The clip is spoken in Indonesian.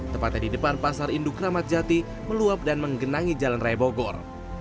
tepatnya di depan pasar induk ramadjati meluap dan menggenangi jalan raya bogor